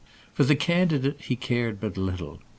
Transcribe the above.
For the candidate he cared but little.